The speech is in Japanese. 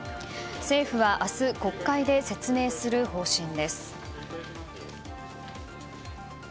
政府は明日国会で説明する方針です。